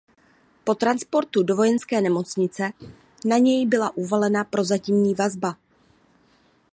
Po transportu do vojenské nemocnice na něj byla uvalena prozatímní vazba.